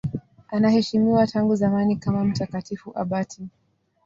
Anaheshimiwa tangu zamani kama mtakatifu abati.